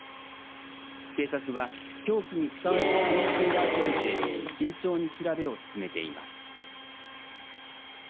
警察は凶器に使われた可能性があると見て慎重に調べを進めています。